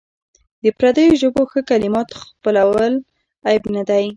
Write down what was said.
د پردیو ژبو ښه کلمات خپلول عیب نه دی.